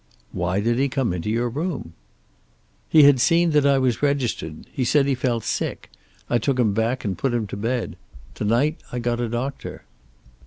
"Why did he come into your room?" "He had seen that I was registered. He said he felt sick. I took him back and put him to bed. To night I got a doctor."